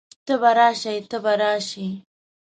ته به راشئ، ته به راشې